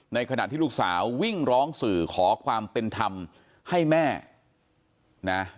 ในขณะที่ลูกสาววิ่งร้องสื่อขอความเป็นธรรมให้แม่นะ